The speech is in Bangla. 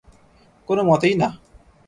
কোনো মতেই না!